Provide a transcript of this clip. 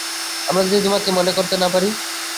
আমরা যদি তোমাকে মনে করতে না পারি।